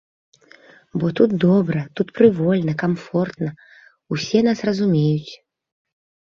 Бо тут добра, тут прывольна, камфортна, усе нас разумеюць.